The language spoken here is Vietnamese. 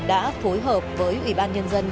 đã phối hợp với ủy ban nhân dân